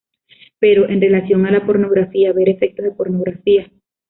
Pero, en relación a la pornografía, ver Efectos de pornografía.